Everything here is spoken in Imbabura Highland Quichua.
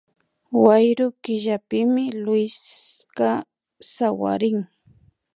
Wayru killapimi Luiska sawarin